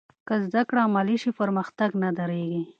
که زده کړه عملي شي، پرمختګ نه درېږي.